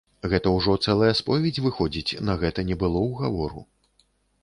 Гэта ўжо цэлая споведзь выходзіць, на гэта не было ўгавору.